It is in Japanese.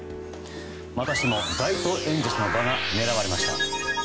またしても、街頭演説の場が狙われました。